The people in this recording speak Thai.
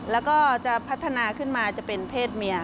แล้วก็จะพัฒนาขึ้นมาจะเป็นเพศเมีย